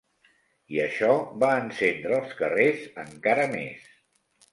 I això va encendre els carrers encara més.